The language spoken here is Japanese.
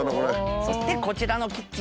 そしてこちらのキッチン。